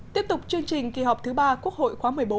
tiếp tục chương trình kỳ họp thứ ba quốc hội khóa một mươi bốn